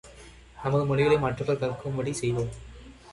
நமது மொழிகளை மற்றவர் கற்கும்படி செய்வோம்!